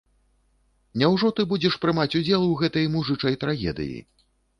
Няўжо ты будзеш прымаць удзел у гэтай мужычай трагедыі?